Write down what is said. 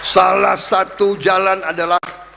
salah satu jalan adalah